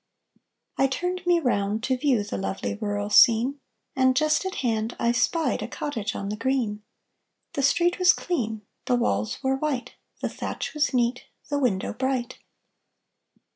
I turned me round to view The lovely rural scene; And, just at hand, I spied A cottage on the green; The street was clean, The walls were white, The thatch was neat, The window bright.